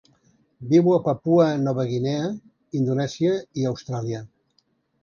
Viu a Papua Nova Guinea, Indonèsia i Austràlia.